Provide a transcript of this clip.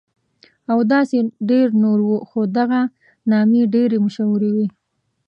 او داسې ډېر نور وو، خو دغه نامې ډېرې مشهورې وې.